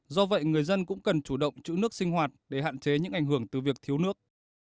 do vậy người dân cũng cần chủ động chữ nước sinh hoạt để hạn chế những ảnh hưởng từ việc thiếu nước